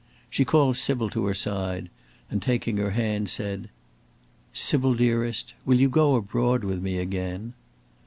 She called Sybil to her side, and, taking her hand, said: "Sybil, dearest, will you go abroad with me again?"